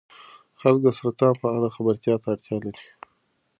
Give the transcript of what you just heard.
خلک د سرطان په اړه خبرتیا ته اړتیا لري.